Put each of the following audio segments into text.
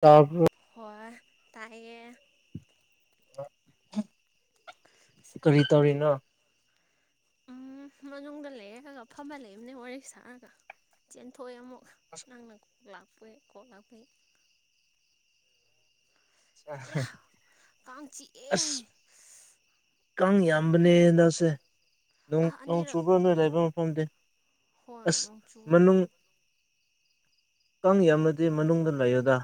ꯇ ꯍ ꯇꯥꯏꯑꯌꯦ ꯀꯔꯤ ꯇꯧꯔꯤꯅꯣ ꯎꯝ ꯃꯅꯨꯡꯗ ꯂꯩꯔꯦꯒꯒ ꯐꯕ ꯂꯩꯕꯅꯦ ꯋꯥꯔꯤ ꯁꯥꯔꯒ ꯆꯦꯟꯊꯣꯛꯑꯦ ꯑꯃꯨꯛ ꯅꯪꯅꯥꯄ ꯀꯣꯂꯕꯩ ꯑꯌꯥ ꯀꯥꯡ ꯆꯤꯛꯑꯦ ꯑꯁ ꯀꯥꯡ ꯌꯥꯝꯕꯅꯦ ꯍꯟꯗꯛꯁꯦ ꯅꯣꯡ ꯑꯥ ꯅꯣꯡ ꯑꯅꯤꯔꯛ ꯆꯨꯕ꯭ꯔꯣ ꯅꯣꯏ ꯂꯩꯕ ꯃꯐꯝꯗꯤ ꯍꯣꯏ ꯑꯁ ꯅꯣꯡ ꯆꯨꯋꯦ ꯃꯅꯨꯡ ꯀꯥꯡ ꯌꯥꯝꯃꯗꯤ ꯃꯅꯨꯡꯗ ꯂꯩꯌꯣꯗ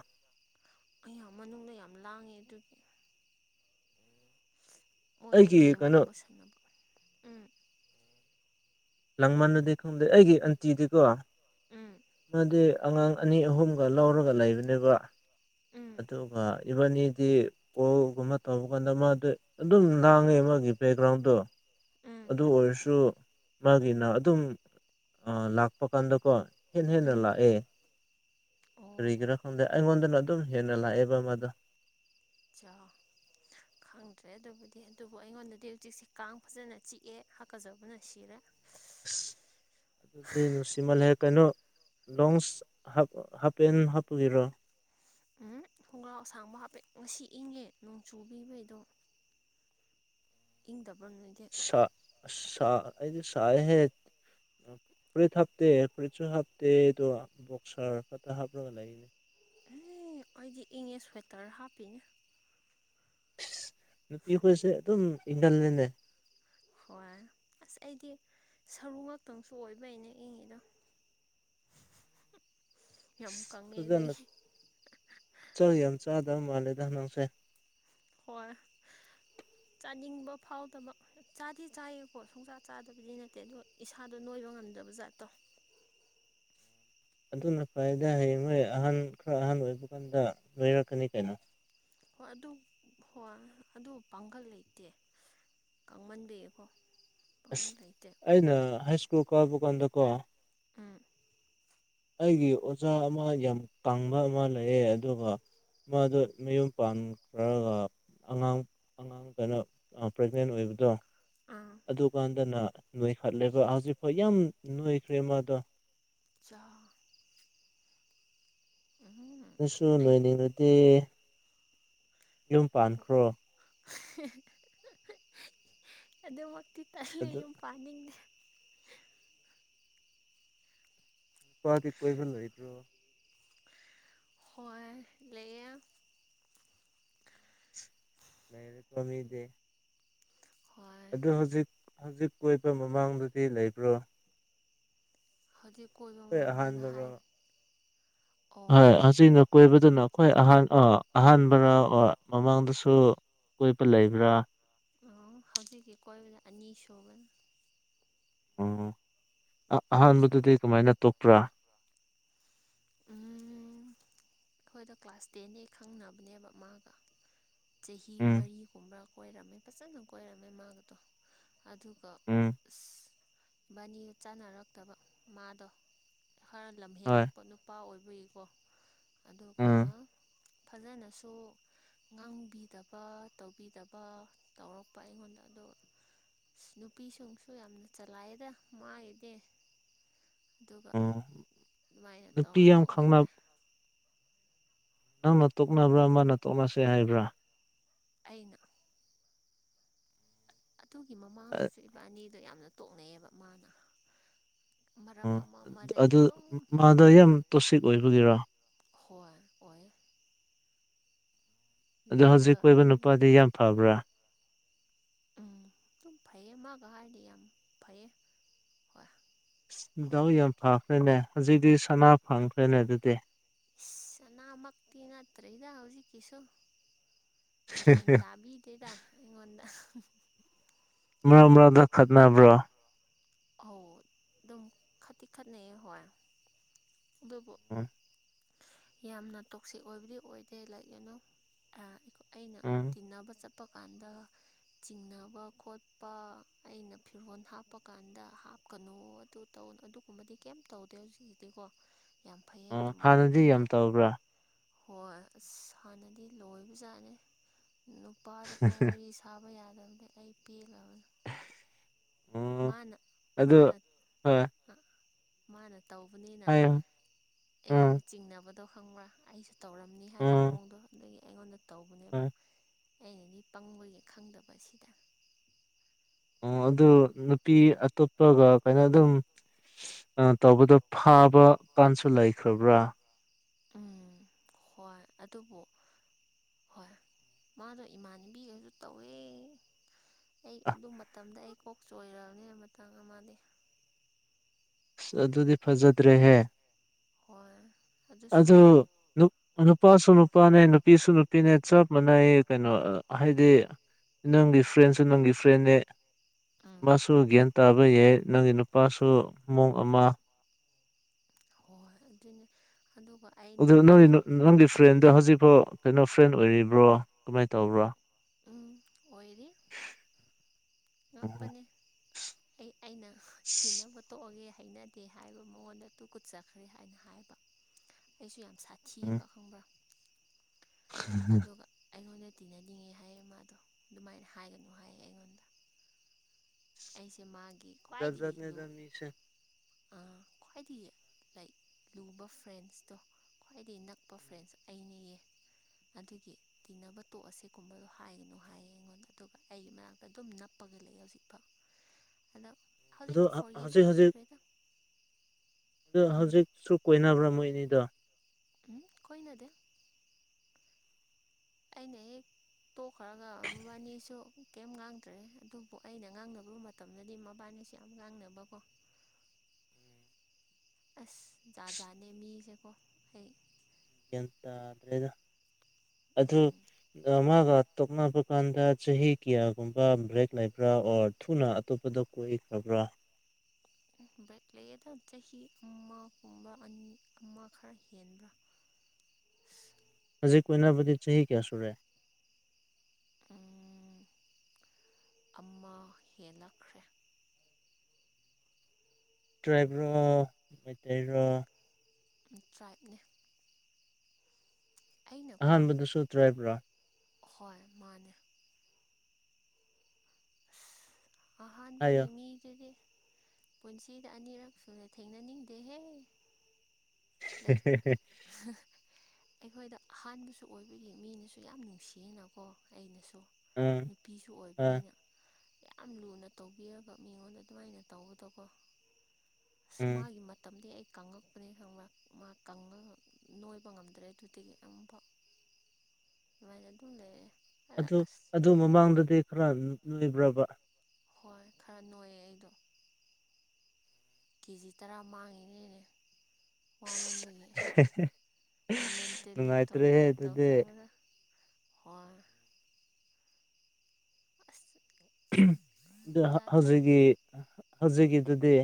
ꯑꯩꯌꯥ ꯃꯅꯨꯡꯗ ꯌꯥꯝ ꯂꯥꯡꯉꯦ ꯑꯗꯨꯒꯤ ꯃꯣꯏꯗꯣ ꯑꯩꯒꯤ ꯀꯩꯅꯣ ꯒꯦꯝꯒꯨꯝꯕ ꯁꯥꯟꯅꯕ ꯎꯝ ꯂꯥꯡꯃꯥꯟꯂꯗꯤ ꯈꯪꯗꯦ ꯑꯩꯒꯤ ꯑꯟꯇꯤꯗꯤꯀꯣ ꯎꯝ ꯃꯥꯗꯤ ꯑꯉꯥꯡ ꯑꯅꯤ ꯑꯍꯨꯝꯒ ꯂꯧꯔꯒ ꯂꯩꯕꯅꯦꯕ ꯎꯝ ꯑꯗꯨꯒ ꯏꯚꯥꯟꯅꯤꯗꯤ ꯀꯣꯜꯒꯨꯝꯕ ꯇꯧꯕ ꯀꯥꯟꯗ ꯃꯥꯗꯤ ꯑꯗꯨꯝ ꯂꯥꯡꯉꯦ ꯃꯥꯒꯤ ꯕꯦꯛꯒ꯭ꯔꯥꯎꯟꯗꯣ ꯎꯝ ꯑꯗꯨ ꯑꯣꯏꯔꯁꯨ ꯃꯥꯒꯤꯅ ꯑꯗꯨꯝ ꯑ ꯂꯥꯛꯄ ꯀꯥꯟꯗꯀꯣ ꯍꯦꯟꯅ ꯍꯦꯟꯅ ꯎꯝ ꯂꯥꯛꯑꯦ ꯑꯣ ꯀꯔꯤꯒꯤꯔꯥ ꯈꯪꯗꯦ ꯑꯩꯉꯣꯟꯗꯅ ꯑꯗꯨꯝ ꯍꯦꯟꯅ ꯂꯥꯛꯑꯦꯕ ꯃꯥꯗꯣ ꯆꯥꯎ ꯈꯪꯗ꯭ꯔꯦ ꯑꯗꯨꯕꯨꯗꯤ ꯑꯗꯨꯕꯨ ꯑꯩꯉꯣꯟꯗꯗꯤ ꯍꯧꯖꯤꯛꯁꯦ ꯀꯥꯡ ꯐꯖꯅ ꯆꯤꯛꯑꯦ ꯍꯥꯀꯖꯕꯅ ꯁꯤꯔꯦ [unintelligible] ꯑꯗꯨꯗꯤ ꯅꯨꯡꯁꯤꯃꯜꯂꯦ ꯀꯩꯅꯣ ꯂꯣꯡꯁ ꯍꯥꯞꯄꯦꯟ ꯍꯥꯞꯄꯨꯒꯤꯔꯣ ꯎꯝ ꯈꯣꯡꯒ꯭ꯔꯥꯎ ꯑꯁꯥꯡꯕ ꯍꯥꯏꯄꯦ ꯉꯁꯤ ꯏꯪꯉꯦ ꯅꯣꯡꯆꯨ ꯄꯤꯕꯩꯗꯣ ꯏꯪꯗꯕ꯭ꯔꯣ ꯅꯣꯏꯗꯤ ꯁꯥ ꯁꯥ ꯑꯩꯗꯤ ꯁꯥꯌꯦꯍꯦ ꯐꯨꯔꯤꯠ ꯍꯥꯞꯇꯦ ꯐꯨꯔꯤꯠꯁꯨ ꯍꯥꯞꯇꯦ ꯑꯗꯣ ꯕꯣꯛꯁꯔ ꯈꯛꯇ ꯍꯥꯞꯂꯒ ꯂꯩꯅꯦ ꯑ ꯑꯩꯗꯤ ꯏꯉꯦ ꯁ꯭ꯋꯦꯇꯔ ꯍꯥꯞꯄꯤꯅꯦ ꯅꯨꯄꯤ ꯈꯣꯏꯁꯦ ꯑꯗꯨꯝ ꯏꯟꯒꯜꯅꯤꯅꯦ ꯍꯣꯏ ꯑꯁ ꯑꯩꯗꯤ ꯁꯔꯨ ꯉꯥꯛꯛꯇꯪꯁꯨ ꯑꯣꯏꯕꯩꯅꯦ ꯏꯪꯉꯤꯗꯣ ꯌꯥꯝ ꯀꯪꯉꯦ ꯑꯩꯗꯤ ꯐꯖꯅ ꯆꯥꯛ ꯌꯥꯝ ꯆꯥꯗꯕ ꯃꯥꯜꯂꯦꯗ ꯅꯪꯁꯦ ꯍꯣꯏ ꯆꯥꯅꯤꯡꯕ ꯐꯥꯎꯗꯕ ꯆꯥꯗꯤ ꯆꯥꯏꯌꯦꯀꯣ ꯁꯨꯡꯆꯥꯛ ꯆꯥꯗꯕꯗꯤ ꯅꯠꯇꯦ ꯑꯗꯣ ꯏꯁꯥꯗꯣ ꯅꯣꯏꯕ ꯉꯝꯗꯕ ꯖꯥꯠꯇꯣ ꯑꯗꯨꯅ ꯐꯥꯏꯗ ꯍꯌꯦꯡ ꯅꯣꯏ ꯑꯍꯟ ꯈꯔ ꯑꯍꯟ ꯑꯣꯏꯕ ꯀꯥꯟꯗ ꯅꯣꯏꯔꯛꯀꯅꯤ ꯀꯩꯅꯣ ꯍꯣꯏ ꯑꯗꯨ ꯍꯣꯏ ꯑꯗꯨ ꯄꯥꯡꯒꯜ ꯂꯩꯇꯦ ꯀꯪꯃꯟ ꯕꯒꯤꯀꯣ ꯑꯁ ꯑꯩꯅ ꯍꯥꯏ ꯁ꯭ꯀꯨꯜ ꯀꯥꯕ ꯀꯥꯟꯗ ꯀꯣ ꯑꯝ ꯑꯩꯒꯤ ꯑꯣꯖꯥ ꯑꯃ ꯌꯥꯝ ꯀꯪꯕ ꯑꯃ ꯂꯩꯌꯦ ꯑꯗꯨꯒ ꯃꯥꯗꯨ ꯃꯌꯨꯝ ꯄꯥꯟꯈ꯭ꯔꯒ ꯑꯉꯥꯡ ꯑꯉꯥꯡ ꯀꯩꯅꯣ ꯄ꯭ꯔꯦꯒꯅꯦꯟ ꯑꯣꯏꯕꯗꯣ ꯑꯥ ꯑꯗꯨꯀꯥꯟꯗꯅ ꯅꯣꯏꯈꯠꯂꯦꯕ ꯍꯧꯖꯤꯛꯐꯥꯎ ꯌꯥꯝ ꯅꯣꯏꯈ꯭ꯔꯦ ꯃꯥꯗꯣ ꯆꯥ ꯑꯝ ꯍꯝ ꯅꯣꯏꯁꯨ ꯅꯣꯏꯅꯤꯡꯉꯗꯤ ꯌꯨꯝ ꯄꯥꯟꯈ꯭ꯔꯣ [unintelligible] ꯑꯗꯨꯃꯛꯇꯤ ꯇꯟꯂꯤ ꯑꯗꯨ ꯌꯨꯝ ꯄꯥꯟꯅꯤꯡꯗꯦ ꯅꯨꯄꯥꯗꯤ ꯀꯣꯏꯕ ꯂꯩꯕ꯭ꯔꯣ ꯍꯣꯏ ꯂꯩꯌꯦ ꯅꯩꯔꯦꯀꯣ ꯃꯤꯗꯤ ꯍꯣꯏ ꯑꯗꯨ ꯍꯧꯖꯤꯛ ꯍꯧꯖꯤꯛ ꯀꯣꯏꯕ ꯃꯃꯥꯡꯗꯗꯤ ꯂꯩꯕ꯭ꯔꯣ ꯍꯧꯖꯤꯛ ꯀꯣꯏꯕ ꯈꯣꯏ ꯃꯃꯥꯡꯗ ꯑꯍꯥꯟꯕꯔꯣ ꯍꯥꯏꯔꯤ ꯍꯣꯏ ꯍꯧꯖꯤꯛꯅ ꯀꯣꯏꯕꯗꯨꯅ ꯈꯣꯏ ꯑꯍꯥꯟ ꯑꯍꯥꯟꯕꯔ ꯑꯣ ꯃꯃꯥꯡꯗꯁꯨ ꯀꯣꯏꯕ ꯂꯩꯕ꯭ꯔꯥ ꯑꯣ ꯍꯧꯖꯤꯛꯀꯤ ꯀꯣꯏꯕꯗꯨꯅ ꯑꯅꯤꯁꯨꯕꯅꯤ ꯑꯣ ꯑꯍꯥꯟꯕꯗꯨꯗꯤ ꯀꯃꯥꯏꯅ ꯇꯣꯛꯄ꯭ꯔꯥ ꯑ ꯑꯩꯈꯣꯏꯗ ꯀ꯭ꯂꯥꯁ ꯇꯦꯟ ꯍꯦꯛ ꯈꯪꯅꯕꯅꯦꯕ ꯃꯥꯒ ꯆꯍꯤ ꯎꯝ ꯃꯔꯤꯒꯨꯝꯕ꯭ꯔ ꯀꯣꯏꯔꯝꯃꯦ ꯐꯖꯅ ꯀꯣꯏꯔꯝꯃꯦ ꯃꯥꯒꯗꯣ ꯑꯗꯨꯒ ꯎꯝ ꯑꯁ ꯚꯕꯥꯅꯤꯒ ꯆꯥꯟꯅꯔꯛꯇꯕ ꯃꯥꯗꯣ ꯈꯔ ꯍꯣꯏ ꯂꯝꯍꯦꯜꯂꯛꯄ ꯅꯨꯄꯥ ꯑꯣꯏꯕꯒꯤꯀꯣ ꯑꯗꯨꯒ ꯎꯝ ꯐꯖꯅꯁꯨ ꯉꯥꯡꯕꯤꯗꯕ ꯇꯧꯕꯤꯗꯕ ꯇꯧꯔꯛꯄ ꯑꯩꯉꯣꯟꯗ ꯑꯗ ꯑ ꯅꯨꯄꯤꯁꯤꯡꯁꯨ ꯌꯥꯝꯅ ꯆꯂꯥꯏꯑꯗ ꯃꯥꯔꯤꯅꯦ ꯑꯗꯨꯒ ꯑꯣ ꯑꯗꯨꯃꯥꯏꯅ ꯅꯨꯄꯤ ꯇꯧꯔ ꯌꯥꯝ ꯈꯪꯅ ꯇꯣꯛꯅꯈ꯭ꯔꯦ ꯅꯪꯅ ꯇꯣꯛꯅꯕ꯭ꯔꯥ ꯃꯥꯅ ꯇꯣꯛꯅꯁꯦ ꯍꯥꯏꯕ꯭ꯔꯥ ꯑꯩꯅ ꯑꯗꯨꯒꯤ ꯃꯃꯥꯡꯗꯁꯨ ꯏꯕꯥꯅꯤꯗꯣ ꯌꯥꯝꯅ ꯇꯣꯛꯅꯩꯑꯌꯦꯕ ꯃꯥꯅ ꯃꯔꯝ ꯑꯣ ꯑꯃ ꯑꯃꯗꯒꯤ ꯑꯗꯨ ꯑꯗꯨꯝ ꯃꯥꯗ ꯌꯥꯝ ꯇꯣꯁꯤꯛ ꯑꯣꯏꯕꯒꯤꯔꯥ ꯈꯋꯥ ꯑꯣꯏ ꯑꯗꯣ ꯍꯧꯖꯤꯛ ꯂꯦꯚꯦꯜ ꯀꯣꯏꯕ ꯑꯃꯅꯤ ꯅꯨꯄꯥꯗꯤ ꯌꯥꯝ ꯐꯕ꯭ꯔꯥ ꯎꯝ ꯑꯗꯨꯝ ꯐꯩꯌꯦ ꯃꯥꯒ ꯍꯥꯏꯔꯗꯤ ꯌꯥꯝ ꯐꯩꯌꯦ ꯍꯣꯏ ꯗꯥꯎ ꯌꯥꯝ ꯐꯈ꯭ꯔꯦꯅꯦ ꯍꯧꯖꯤꯛꯇꯤ ꯁꯅꯥ ꯐꯪꯈ꯭ꯔꯦꯅꯦ ꯑꯗꯨꯗꯤ ꯏꯁ ꯁꯅꯥꯃꯛꯇꯤ ꯅꯠꯇ꯭ꯔꯔꯤꯗ ꯍꯧꯖꯤꯛꯀꯤꯁꯨ ꯒ꯭ꯌꯥꯟ ꯇꯥꯕꯤ ꯑꯗꯨꯠꯇꯦꯗ ꯑꯩꯉꯣꯟꯗ ꯃꯔꯥꯡ ꯃꯔꯥꯡꯗ ꯈꯠꯅꯕ꯭ꯔꯣ ꯑꯧ ꯑꯗꯨꯝ ꯈꯥꯇꯤꯛ ꯈꯥꯠꯅꯩ ꯍꯣꯏ ꯑꯗꯨꯕꯨ ꯎꯝ ꯌꯥꯝꯅ ꯇꯣꯛꯁꯤꯛ ꯑꯣꯏꯕꯗꯤ ꯑꯣꯏꯗꯦ ꯂꯥꯏꯔꯤꯛ ꯌꯦꯅꯨ ꯑꯩꯅ ꯎꯝ ꯇꯤꯟꯅꯕ ꯆꯠꯄ ꯀꯥꯟꯗ ꯆꯤꯡꯅꯕ ꯈꯣꯠꯄ ꯑꯩꯅ ꯐꯤꯔꯣꯜ ꯍꯥꯞꯄꯀꯥꯟꯗ ꯍꯥꯞ ꯀꯩꯅꯣ ꯑꯗꯨ ꯇꯧ ꯑꯗꯨꯒꯨꯝꯕꯗꯤ ꯀꯩꯝ ꯇꯧꯗꯦ ꯍꯧꯖꯤꯛꯖꯤꯗꯤꯀꯣ ꯌꯥꯝ ꯐꯩ ꯑꯣ ꯑꯗꯨꯨꯝ ꯍꯥꯟꯅꯗꯤ ꯃꯔꯣꯝꯗꯗꯤ ꯌꯥꯝ ꯇꯧꯕ꯭ꯔꯥ ꯍꯣꯏ ꯑꯁ ꯁꯥꯟꯅꯗꯤ ꯂꯣꯏꯕꯖꯥꯠꯅꯤ ꯅꯨꯄꯥꯗꯀ ꯋꯥꯔꯤ ꯁꯥꯟ ꯊꯥꯕ ꯌꯥꯗꯕꯗꯩ ꯑꯩ ꯄꯦꯜꯂꯕꯅꯤ ꯎꯝ ꯃꯥꯅ ꯑꯗꯨ ꯃꯥꯅ ꯍꯣꯏ ꯃꯥꯅ ꯇꯧꯕꯅꯤꯅ ꯍꯥꯏꯌꯣ ꯎꯝ ꯑꯩꯉꯣꯟꯗ ꯆꯤꯡꯅꯕꯗꯣ ꯈꯪꯕ꯭ꯔꯥ ꯑꯩꯁꯨ ꯇꯧꯔꯝꯅꯤ ꯍꯥꯏꯕ ꯎꯝ ꯃꯑꯣꯡꯗꯣ ꯑꯗꯨꯗꯒꯤ ꯑꯩꯉꯣꯟꯗ ꯇꯧꯕꯅꯦꯕ ꯍꯣꯏ ꯑꯩꯅꯗꯤ ꯄꯪꯕꯒꯤ ꯈꯪꯗꯕꯁꯤꯗ ꯑꯣ ꯑꯗꯨ ꯅꯨꯄꯤ ꯑꯇꯣꯞꯄꯒ ꯀꯥꯏꯅ ꯑꯗꯨꯝ ꯇꯧꯕꯗꯣ ꯐꯥꯕ ꯀꯥꯟꯁꯨ ꯂꯩꯈ꯭ꯔꯕ꯭ꯔꯥ ꯎꯝ ꯍꯣꯏ ꯑꯗꯨꯕꯨ ꯍꯣꯏ ꯃꯥꯗꯣ ꯏꯃꯥꯟꯅꯕꯤ ꯑꯃꯁꯁꯨ ꯇꯧꯋꯦ ꯑꯩ ꯑꯗꯨ ꯃꯇꯝꯗ ꯑꯩ ꯀꯣꯛ ꯆꯣꯏꯔꯕꯅꯤ ꯃꯇꯥꯡ ꯑꯃꯗꯤ ꯑꯁ ꯑꯗꯨꯗꯤ ꯐꯖꯗ꯭ꯔꯦꯍꯦ ꯍꯣꯏ ꯑꯗꯨꯁꯨ ꯑꯗꯨꯗꯣ ꯅꯨꯄꯥꯁꯨ ꯅꯨꯄꯥꯅꯦ ꯅꯨꯄꯤꯁꯨ ꯅꯨꯄꯤꯅꯦ ꯆꯞ ꯃꯥꯟꯅꯩ ꯀꯩꯅꯣ ꯍꯥꯏꯗꯤ ꯅꯪꯒꯤ ꯐ꯭ꯔꯦꯟꯁꯨ ꯅꯪꯒꯤ ꯐ꯭ꯔꯦꯦ ꯎꯝ ꯃꯥꯁꯨ ꯒ꯭ꯌꯥꯟ ꯇꯥꯕ ꯌꯥꯏ ꯅꯪꯒꯤ ꯅꯨꯄꯥꯁꯨ ꯃꯑꯣꯣꯡ ꯑꯃ ꯍꯣꯏ ꯍꯣꯏ ꯑꯗꯨꯅꯦ ꯑꯗꯨꯒ ꯑꯩꯅ ꯑꯗꯨ ꯅꯪ ꯍꯥꯏ ꯅꯪꯒꯤ ꯐ꯭ꯔꯦꯟꯗ ꯍꯧꯖꯤꯛꯐꯥꯎ ꯀꯩꯅꯣ ꯐ꯭ꯔꯦꯟ ꯑꯣꯏꯔꯤꯕ꯭ꯔꯣ ꯀꯃꯥꯏꯅ ꯇꯧꯕ꯭ꯔꯣ ꯎꯝ ꯑꯣꯏꯔꯤ ꯎꯝ ꯉꯥꯛꯄꯅꯤ ꯑꯩ ꯑꯩꯅ ꯇꯤꯟꯅꯕ ꯇꯣꯛꯑꯒꯦ ꯍꯩꯅꯗꯦ ꯍꯥꯏꯕ ꯃꯉꯣꯟꯗ ꯇꯨ ꯀꯨꯠꯆꯈ꯭ꯔꯦ ꯍꯥꯏꯅ ꯍꯥꯏꯕ ꯑꯩꯁꯨ ꯌꯥꯝ ꯎꯝ ꯁꯥꯊꯤꯌꯦꯕ ꯈꯪꯕ꯭ꯔ ꯑꯗꯨꯒ ꯑꯩꯉꯣꯟꯗ ꯇꯤꯟꯅꯅꯤꯡꯉꯦ ꯍꯥꯏꯌꯦ ꯃꯥꯗꯣ ꯑꯗꯨꯃꯥꯏꯅ ꯍꯥꯏꯒꯅꯨ ꯍꯥꯏꯌꯦ ꯑꯩꯉꯣꯟꯗ ꯑꯩꯁꯦ ꯃꯥꯒꯤ ꯖꯠꯖꯠꯅꯤꯗ ꯃꯤꯁꯦ ꯑ ꯈ꯭ꯋꯥꯏꯗꯒꯤ ꯂꯩ ꯂꯨꯕ ꯐ꯭ꯔꯦꯟꯁꯇꯣ ꯈ꯭ꯋꯥꯏꯗꯒꯤ ꯅꯛꯄ ꯐ꯭ꯔꯦꯟꯁ ꯑꯩꯅꯦꯌꯦ ꯑꯗꯨꯗꯤ ꯇꯤꯅꯕ ꯇꯣꯛꯑꯁꯦꯒꯨꯝꯕꯗꯣ ꯍꯥꯏꯒꯅꯨ ꯍꯥꯏꯌꯦ ꯑꯩꯉꯣꯟꯗ ꯑꯗꯨꯒ ꯑꯩꯒꯤ ꯃꯅꯥꯛꯇ ꯑꯗꯨꯝ ꯅꯞꯄꯒ ꯂꯩ ꯍꯧꯖꯤꯛꯐꯥꯎ ꯑꯗꯣ ꯑꯗꯣ ꯍꯧꯖꯤꯛꯇꯤ ꯐꯣꯔꯒꯤꯞ ꯍꯧꯖꯤꯛ ꯇꯧꯕꯤꯈ꯭ꯔꯦꯗ ꯑꯗꯨ ꯎꯝ ꯍꯧꯖꯤꯛꯁꯨ ꯀꯣꯏꯅꯕ꯭ꯔꯥ ꯃꯣꯏ ꯑꯅꯤꯗꯣ ꯎꯝ ꯀꫭꯏꯅꯗꯦ ꯑꯩꯅ ꯍꯦꯛ ꯇꯣꯛꯈ꯭ꯔꯒ ꯃꯕꯥꯅꯤꯁꯨ ꯀꯩꯝ ꯉꯥꯡꯗ꯭ꯔꯦ ꯑꯗꯨꯕꯨ ꯑꯩꯅ ꯉꯥꯡꯅꯕ ꯃꯇꯝ ꯃꯇꯝꯗꯗꯤ ꯃꯕꯥꯟꯅꯤꯁꯦ ꯌꯥꯝ ꯉꯥꯡꯅꯕ ꯀꯣ ꯑꯁ ꯖꯥꯠꯖꯥꯠꯅꯦ ꯃꯤꯁꯦꯀꯣ ꯍ ꯌꯥꯟ ꯇꯥꯗ꯭ꯔꯦꯗ ꯑꯗꯨꯒ ꯃꯥꯒ ꯇꯣꯛꯅꯕ ꯀꯥꯟꯗ ꯆꯍꯤ ꯀꯌꯥꯒꯨꯝꯕ ꯕ꯭ꯔꯦꯛ ꯂꯩꯕ꯭ꯔꯥ ꯑꯣꯔ ꯊꯨꯅ ꯑꯇꯣꯞꯄꯗ ꯀꯣꯏꯈ꯭ꯔꯕ꯭ꯔꯥ ꯕꯦꯛ ꯂꯩꯌꯦꯗ ꯆꯍꯤ ꯑꯃꯒꯨꯝꯕ ꯑꯅꯤ ꯑꯃ ꯈꯔ ꯍꯦꯟꯕ꯭ꯔꯥ ꯍꯧꯖꯤꯛ ꯀꫭꯏꯅꯣꯏꯅꯕꯗꯤ ꯆꯍꯤ ꯀꯌꯥ ꯁꯨꯔꯦ ꯎꯝ ꯑꯃ ꯍꯦꯜꯂꯛꯈ꯭ꯔꯦ ꯇ꯭ꯔꯥꯏꯕ ꯂꫭ ꯃꯩꯇꯩ ꯔꫭ ꯇ꯭ꯔꯥꯏꯕ‌ꯅꯦ ꯑꯩꯅꯀꯣ ꯑꯍꯥꯟꯕꯗꯨꯁꯨ ꯇ꯭ꯔꯥꯏꯕ꯭ꯔꯣ ꯍꯣꯏ ꯃꯥꯅꯦ ꯍꯥꯏꯌꯣ ꯑꯍꯥꯟꯕꯒꯤ ꯃꯤꯗꯨꯗꯤ ꯄꯨꯟꯁꯤꯗ ꯑꯅꯤꯔꯛ ꯁꯨꯅ ꯊꯦꯡꯅꯅꯤꯡꯗꯦꯍꯦ ꯂꯩ ꯑꯩꯈꯣꯏꯗ ꯑꯍꯥꯟꯕꯁꯨ ꯑꯣꯏꯕꯒꯤ ꯃꯤꯅꯁꯨ ꯌꯥꯝ ꯅꯨꯡꯁꯤꯌꯦꯅꯀꯣ ꯑꯩꯅꯁꯨ ꯎꯝ ꯅꯨꯄꯤꯁꯨ ꯑ ꯑꯣꯏꯕꯅꯤꯅ ꯌꯥꯝ ꯂꯨꯅ ꯇꯧꯕꯤꯔꯕ ꯃꯤꯉꯣꯟꯗ ꯑꯗꯨꯃꯥꯏꯅ ꯇꯧꯕꯗꯀꯣ ꯑꯁ ꯎꯝ ꯃꯥꯒꯤ ꯃꯇꯝꯗꯤ ꯑꯩ ꯀꯪꯉꯛꯄꯅꯩ ꯈꯪꯕ ꯃꯥ ꯀꯪꯉꯒ ꯅꯣꯏꯕ ꯉꯝꯗ꯭ꯔꯦ ꯑꯗꯨꯗꯒꯤ ꯑꯃꯨꯛꯐꯥꯎ ꯁꯨꯃꯥꯏꯅ ꯑꯗꯨꯝ ꯂꯩꯔꯦ ꯑꯗ ꯑꯗꯨ ꯑꯁ ꯑꯗꯨ ꯃꯃꯥꯡꯗꯗꯤ ꯈꯔ ꯅꫭꯏꯕ꯭ꯔꯕ ꯍꯣꯏ ꯈꯔ ꯅꯣꯏꯌꯦ ꯑꯩꯗꯣ ꯀꯦꯖꯤ ꯇꯔꯥ ꯃꯥꯡꯉꯤꯅꯤꯅꯦ ꯋꯥꯃꯟꯕꯒꯤ ꯃꯦꯟꯇꯦꯜꯂꯤ ꯅꯨꯡꯉꯥꯏꯇ꯭ꯔꯦꯍꯦ ꯇꯣꯆꯔ ꯑꯗꯨꯗꯤ ꯇꯧꯊꯕꯗ ꯋꯥ ꯑꯁ ꯖꯥꯠ ꯖꯥꯠꯅꯤ ꯍꯧꯖꯤꯛꯀꯤ ꯍꯧꯖꯤꯛꯀꯤꯗꯨꯗꯤ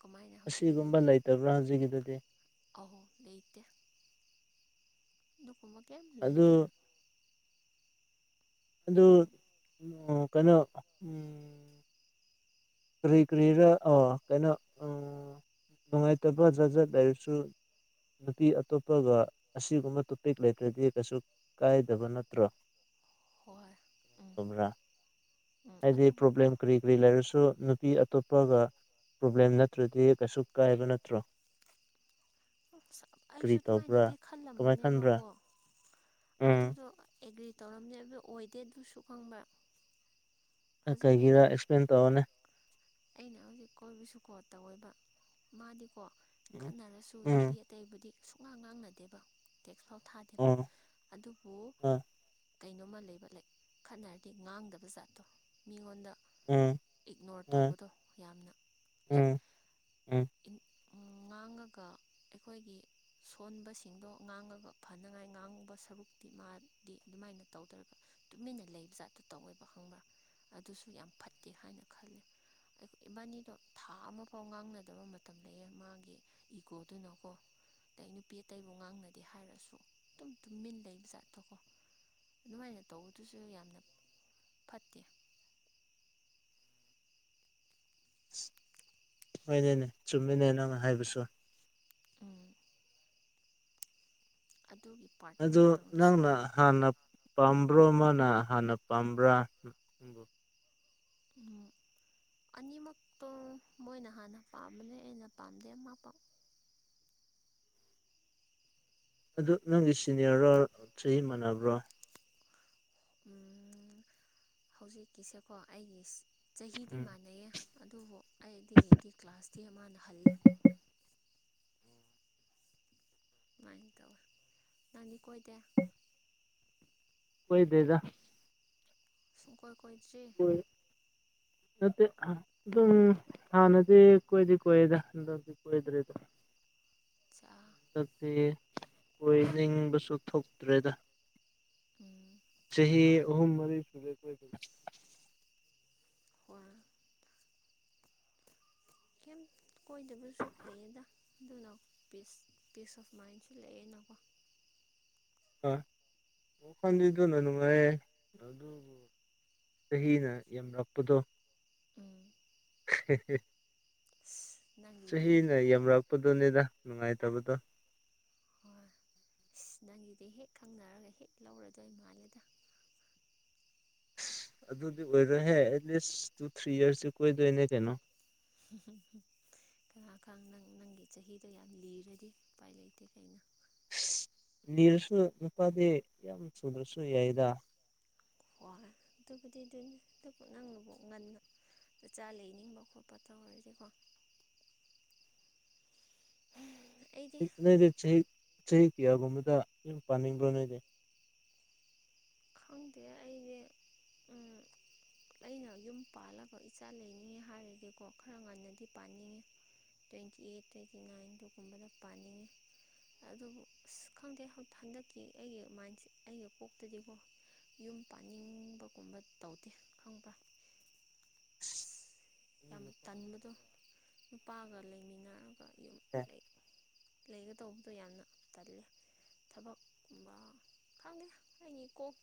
ꯀꯃꯥꯏꯅ ꯍꯧꯖꯤꯛꯀꯤꯗꯨ ꯑꯁꯤꯒꯨꯝꯕ ꯂꯩꯇꯕ꯭ꯔꯥ ꯍꯧꯖꯤꯛꯀꯤꯗꯨꯗꯤ ꯑꯍꯧ ꯂꯩꯇꯦ ꯑꯗꯨꯒꯨꯝꯕ ꯀꯩꯝ ꯑꯗꯨ ꯂꯩꯇꯦ ꯑꯗꯨ ꯎꯝ ꯀꯩꯅꯣ ꯀꯔꯤ ꯀꯔꯤꯔ ꯀꯩꯅꯣ ꯅꯨꯡꯉꯥꯏꯇꯕ ꯖꯥꯠ ꯖꯥꯠ ꯍꯥꯏꯔꯁꯨ ꯅꯨꯄꯤ ꯑꯇꯣꯞꯄꯒ ꯑꯁꯤꯒꯨꯝꯕ ꯇꯣꯄꯤꯛ ꯂꯩꯇ꯭ꯔꯗꯤ ꯀꯩꯁꯨ ꯀꯥꯏꯗꯕ ꯅꯠꯇ꯭ꯔꯣ ꯍꯣꯏ ꯎꯝ ꯆꯨꯕꯔ ꯎꯝ ꯍꯥꯏꯗꯤ ꯑꯗꯨꯕꯨꯀꯣ ꯄꫭꯕꯂꯦꯝ ꯀꯔꯤ ꯀꯔꯤ ꯂꯩꯔꯁꯨ ꯅꯨꯄꯤ ꯑꯇꯣꯞꯄꯒ ꯄ꯭ꯔꯣꯕ꯭ꯂꯦꯝ ꯅꯠꯇ꯭ꯔꯗꯤ ꯀꯩꯁꯨ ꯀꯥꯏꯕ ꯅꯠꯇ꯭ꯔꯣ ꯑꯩꯁꯨ ꯀꯔꯤ ꯇꯧꯕ꯭ꯔꯥ ꯑꯗꯨꯃꯥꯏꯅꯗꯤ ꯀꯃꯥꯏ ꯈꯟꯕ꯭ꯔꯥ ꯈꯜꯂꯝꯕꯅꯦꯕꯀꯣ ꯎꯝ ꯑꯗꯨꯗꯣ ꯑꯦꯒ꯭ꯔꯤ ꯇꯧꯔꯝꯃꯦ ꯑꯗꯨ ꯑꯣꯏꯗꯦ ꯑꯗꯨꯁꯨ ꯈꯪꯕ꯭ꯔ ꯑ ꯀꯩꯒꯤꯔꯥ ꯑꯦꯛꯁꯄ꯭ꯂꯦꯟ ꯇꯧꯋꫭꯅꯦ ꯑꯩꯅ ꯍꯧꯖꯤꯛ ꯀꯣꯏꯕꯁꯨꯀꯣ ꯇꯧꯋꯦꯕ ꯃꯥꯗꯤꯀꯣ ꯈꯠꯅꯔꯁꯨ ꯅꯨꯄꯤ ꯎꯝ ꯑꯇꯩꯕꯨꯗꯤ ꯁꯨꯛꯉꯥꯡ ꯉꯥꯡꯅꯗꯦꯕ ꯇꯦꯛꯁꯐꯥꯎ ꯊꯥꯗꯦꯕ ꯑꯣ ꯑꯗꯨꯕꯨ ꯑ ꯀꯩꯅꯣꯝꯃ ꯂꯩꯕ ꯂꯩ ꯈꯠꯅꯔꯗꯤ ꯉꯥꯡꯗꯕ ꯖꯥꯠꯇꯣ ꯃꯤꯉꯣꯟꯗ ꯎꯝ ꯏꯛꯅꯣꯔ ꯑ ꯇꯧꯕꯗꯣ ꯌꯥꯝꯅ ꯂꯩ ꯎꯝ ꯎꯝ ꯉꯥꯡꯉꯒ ꯑꯩꯈꯣꯏꯒꯤ ꯁꯣꯟꯕꯁꯤꯡꯗꯣ ꯉꯥꯡꯉꯒ ꯐꯅꯉꯥꯏ ꯉꯥꯡꯉꯕ ꯁꯔꯨꯛꯇꯤ ꯃꯥꯗꯤ ꯑꯗꯨꯃꯥꯏꯅ ꯇꯧꯗ꯭ꯔꯒ ꯇꯨꯃꯤꯟꯅ ꯂꯩꯕ ꯖꯥꯠꯇꯣ ꯇꯧꯋꯦꯕ ꯈꯪꯕ꯭ꯔꯥ ꯑꯗꯨꯁꯨ ꯌꯥꯝ ꯐꯠꯇꯦ ꯍꯥꯏꯅ ꯈꯜꯂꯤ ꯏꯕꯥꯅꯤꯗꯣ ꯊꯥ ꯑꯃꯐꯥꯎ ꯉꯥꯡꯅꯗꯕ ꯃꯇꯝ ꯂꯩꯑꯦ ꯃꯥꯒꯤ ꯏꯒꯣꯗꯨꯅꯀꯣ ꯑꯗꯩ ꯅꯨꯄꯤ ꯑꯇꯩꯕꯨ ꯉꯥꯡꯅꯗꯦ ꯍꯥꯏꯔꯁꯨ ꯑꯗꯨꯝ ꯇꯨꯝꯃꯤꯟ ꯂꯩꯕ ꯖꯥꯠꯇꯣ ꯀꯣ ꯑꯗꯨꯃꯥꯏꯅ ꯇꯧꯕꯗꯨꯁꯨ ꯌꯥꯝꯅ ꯐꯠꯇꯦ ꯍꯣꯏꯅꯦ ꯆꯨꯝꯃꯤꯅꯦ ꯅꯪꯅ ꯍꯥꯏꯕꯁꯨ ꯑꯝ ꯑꯗꯨꯒꯤ ꯄꯥꯔꯠꯇꯨ ꯑꯗꯨ ꯉꯥꯛꯇꯪꯗ ꯅꯪꯅ ꯁꯣꯏꯌꯦ ꯍꯥꯟꯅ ꯄꯥꯝꯕ꯭ꯔꯣ ꯃꯅ ꯍꯥꯟꯅ ꯄꯥꯝꯕ꯭ꯔꯥ ꯑꯝ ꯑꯅꯤꯃꯛꯇꯣ ꯃꯣꯏꯅ ꯍꯥꯟꯅ ꯄꯥꯝꯕꯅꯦ ꯑꯩꯅ ꯄꯥꯝꯗꯦ ꯑꯃ ꯑꯗꯨ ꯅꯪꯒꯤ ꯁꯤꯅꯤꯌꯔꯣ ꯆꯍꯤ ꯃꯥꯟꯅꯕ꯭ꯔꯣ ꯍꯧꯖꯤꯛꯀꯤꯁꯦꯀꯣ ꯑꯩꯒꯤ ꯆꯍꯤꯗꯤ ꯎꯝ ꯃꯥꯟꯅꯩꯌꯦ ꯑꯗꯨꯕꯨ ꯑꯩꯗꯤꯗꯤ ꯀ꯭ꯂꯥꯁꯇꯤ ꯃꯅꯥ ꯍꯜꯂꯦ ꯁꯨꯃꯥꯏꯅ ꯇꯧꯋꯦ ꯅꯪꯗꯤ ꯀꯣꯏꯗꯦ ꯀꯣꯏꯗꯦꯗ ꯁꯨꯡꯀꯣꯏ ꯀꯣꯏꯗ꯭꯭ꯔꯤ [unintelligible] ꯅꯠꯇꯦ ꯑꯗꯨꯝ ꯍꯥꯟꯅꯗꯤ ꯀꯣꯏꯗꯤ ꯀꯣꯢꯗ ꯑꯆꯥ ꯍꯧꯖꯤꯛꯇꯤ ꯀꯣꯢꯅꯤꯡꯕꯁꯨ ꯊꯣꯛꯇ꯭ꯔꯦꯗ ꯎꯝ ꯆꯍꯤ ꯍꯣꯏ ꯑꯍꯨꯝ ꯃꯔꯤꯁꯨ ꯍꯔ [inaudible] ꯀꯩꯝ ꯀꯣꯏꯗꯕꯁꯨ ꯐꯩꯌꯦꯗ ꯑꯗꯨꯅ ꯄꯤꯁ ꯄꯤꯁ ꯑꯣꯐ ꯃꯥꯏꯟꯁꯨ ꯂꯩꯑꯦꯅꯀꯣ ꯋꯥꯈꯥꯜꯗꯤ ꯑꯗꯨꯅ ꯅꯨꯡꯉꯥꯏꯌꯦ ꯆꯍꯤꯅ ꯌꯥꯝꯂꯛꯄꯗꯣ ꯎꯝ [inaudible] ꯑꯁ ꯅꯪꯒꯤꯗꯤ ꯆꯍꯤꯅ ꯌꯥꯝꯔꯛꯄꯗꯣꯅꯦꯗ ꯅꯨꯡꯉꯥꯏꯇꯕꯗꯣ ꯍꯣꯏ ꯑꯁ ꯅꯪꯒꯤꯗꯤ ꯍꯦꯛ ꯈꯪꯅꯔꯒ ꯍꯦꯛ ꯂꯧꯔꯗꯣꯏ ꯃꯥꯜꯂꯦꯗ ꯑꯗꯨꯗꯤ ꯑꯣꯏꯔꯣꯏꯍꯦ ꯑꯦꯠꯂꯤꯁ ꯇꯨ ꯊ꯭ꯔꯤ ꯌꯔꯁꯁꯨ ꯀꯣꯏꯗꯣꯏꯅꯦ ꯀꯩꯅꯣ ꯈꯔ ꯈꯥꯡ ꯅꯪ ꯅꯪꯒꯤ ꯆꯍꯤꯗꯣ ꯌꯥꯝ ꯂꯤꯔꯗꯤ ꯎꯄꯥꯏ ꯂꯩꯇꯦ ꯀꯩꯅꯣ ꯂꯤꯔꯁꯨ ꯅꯨꯄꯥꯗꯤ ꯌꯥꯝ ꯊꯨꯗ꯭ꯔꯁꯨ ꯌꯥꯏꯗ ꯍꯣꯢ ꯑꯗꯨꯕꯨꯗꯤ ꯑꯗꯨꯅꯤ ꯑꯗꯨꯕꯨ ꯅꯪꯅ ꯉꯟꯅ ꯅꯆꯥ ꯂꯩꯅꯤꯡꯕ ꯈꯣꯠꯄ ꯇꯧꯔꯗꯤꯀꯣ ꯑꯩꯗꯤ ꯅꯣꯢꯗꯤ ꯆꯍꯤ ꯀꯌ꯭ꯥꯒꯨꯝꯕꯗꯥ ꯌꯨꯝ ꯄꯥꯅꯤꯡꯕꯔꯥ ꯈꯪꯗꯦ ꯑꯩꯗꯤ ꯑꯩꯅ ꯌꯨꯝ ꯄꯥꯜꯂꯒ ꯏꯆꯥ ꯂꯩꯅꯤ ꯍꯥꯏꯔꯗꯤꯀꯣ ꯈꯔ ꯉꯟꯅꯗꯤ ꯄꯥꯅꯤꯡꯉꯤ ꯇ꯭ꯋꯦꯟꯇꯤ ꯑꯩꯠ ꯇ꯭ꯋꯦꯟꯇꯤ ꯅꯥꯏꯟ ꯑꯗꯨꯒꯨꯝꯕꯗ ꯄꯥꯅꯤꯡꯉꯦ ꯑꯗꯨꯕꯨ ꯑꯁ ꯈꯪꯗꯦ ꯍꯟꯗꯛꯀꯤ ꯑꯩꯒꯤ ꯃꯥꯏꯟꯁ ꯑꯩꯒꯤ ꯀꯣꯛꯇꯗꯤꯀꯣ ꯌꯨꯝ ꯄꯥꯅꯤꯡꯕꯒꯨꯝꯕ ꯇꯧꯗꯦ ꯈꯪꯕ꯭ꯔ ꯑꯁ ꯌꯥꯝ ꯇꯟꯕꯗꯣ ꯅꯨꯄꯥꯒ ꯂꯩꯃꯤꯟꯅꯔꯒ ꯌꯨꯝ ꯂꯩ ꯂꯩꯒꯇꯧꯕꯗꯣ ꯌꯥꯝꯅ ꯇꯜꯂꯦ ꯊꯕꯛꯀꯨꯝꯕ ꯈꯪꯗꯦ ꯍꯥꯏꯅꯤ ꯀꯣꯛ